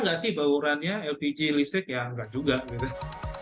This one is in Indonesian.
ya nggak sih bau urannya lpg listrik ya nggak juga